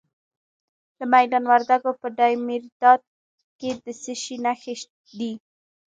د میدان وردګو په دایمیرداد کې د څه شي نښې دي؟